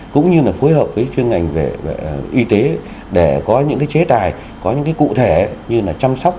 cũng như là phối hợp với chuyên ngành về y tế để có những cái chế tài có những cái cụ thể như là chăm sóc